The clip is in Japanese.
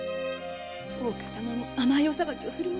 〔大岡様も甘いお裁きをするものだねえ〕